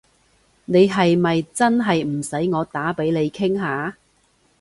你係咪真係唔使我打畀你傾下？